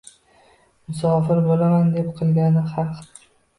Musavvir bo’laman deb qilgandi ahd